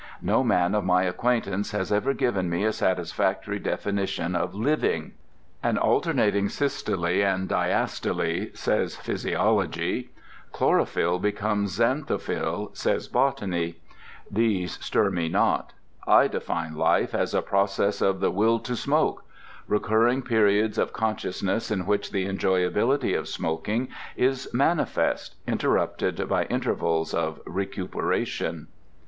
No man of my acquaintance has ever given me a satisfactory definition of living. An alternating systole and diastole, says physiology. Chlorophyl becoming xanthophyl, says botany. These stir me not. I define life as a process of the Will to Smoke: recurring periods of consciousness in which the enjoyability of smoking is manifest, interrupted by intervals of recuperation.